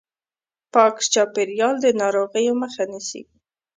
پاک چاپیریال د ناروغیو مخه نیسي.